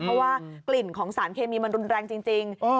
เพราะว่ากลิ่นของสารเคมีมันรุนแรงจริง